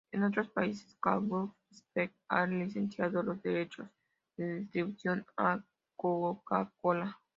En otros países, Cadbury-Schweppes ha licenciado los derechos de distribución a Coca-Cola.